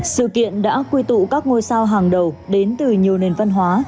sự kiện đã quy tụ các ngôi sao hàng đầu đến từ nhiều nền văn hóa